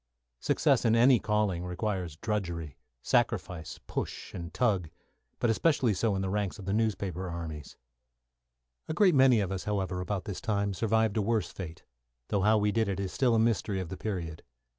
Success in any calling means drudgery, sacrifice, push, and tug, but especially so in the ranks of the newspaper armies. A great many of us, however, about this time, survived a worse fate, though how we did it is still a mystery of the period.